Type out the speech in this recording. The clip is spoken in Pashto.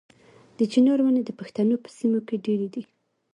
د چنار ونې د پښتنو په سیمو کې ډیرې دي.